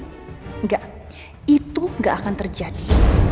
enggak itu nggak akan terjadi